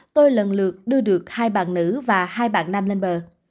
tôi lần lượt đưa được hai bạn nữ và hai bạn nam lên bờ